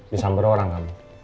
bisa berorang kamu